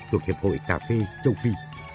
thuộc hiệp hội cà phê châu phi